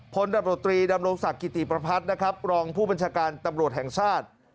ดับโรตรีดำรงศักดิ์กิติประพัฒน์นะครับรองผู้บัญชาการตำรวจแห่งชาติ